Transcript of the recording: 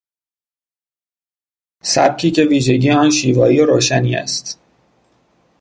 سبکی که ویژگی آن شیوایی و روشنی است.